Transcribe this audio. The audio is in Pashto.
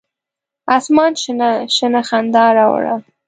اسمان شنه، شنه خندا راوړه